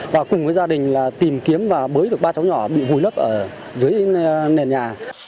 và cùng với gia đình là tìm kiếm và bới được ba cháu nhỏ bị vùi lấp ở dưới nền nhà